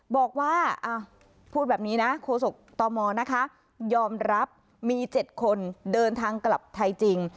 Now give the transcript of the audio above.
บอกว่าพูดแบบนี้นะโฆษกตมนะคะยอมรับมี๗คนเดินทางกลับไทยจริง